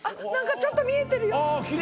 何かちょっと見えてるよ。